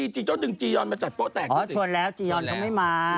ชวนแล้วจีโยนเค้าไม่มา